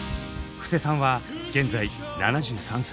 布施さんは現在７３歳。